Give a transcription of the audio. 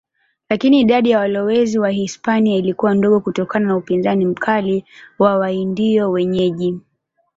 Lakini idadi ya walowezi Wahispania ilikuwa ndogo kutokana na upinzani mkali wa Waindio wenyeji.